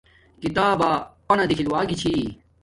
کتابا پنا دیکھل وگی چھی